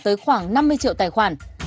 tới khoảng năm mươi triệu tài khoản